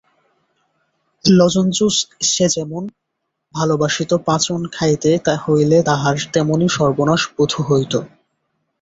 লজঞ্জুস সে যেমন ভালোবাসিত পাঁচন খাইতে হইলে তাহার তেমনি সর্বনাশ বোধ হইত।